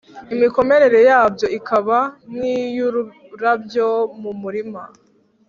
imikomerere yabyo ikaba nk’iy’ururabyo mu murima: